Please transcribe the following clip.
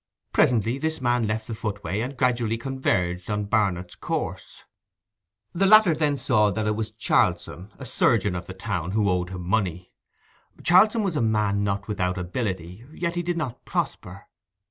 Presently this man left the footway, and gradually converged on Barnet's course. The latter then saw that it was Charlson, a surgeon of the town, who owed him money. Charlson was a man not without ability; yet he did not prosper.